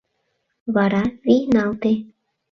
Вара вийналте.